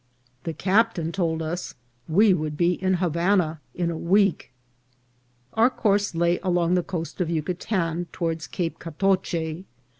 The captain told us we would be in Havana in a week. Our course lay along the coast of Yucatan toward Cape Catoche.